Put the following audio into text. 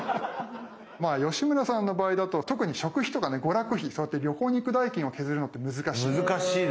吉村さんの場合だと特に食費とかね娯楽費そうやって旅行に行く代金を削るのって難しいですよね。